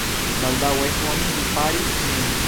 Baldaŭe oni riparis ĝin.